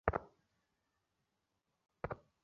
তার পরে সেদিন আমাদের আর পড়া হইল না।